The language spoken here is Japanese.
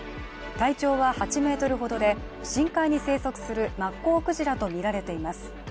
体長は８ｍほどで深海に生息するマッコウクジラとみられています。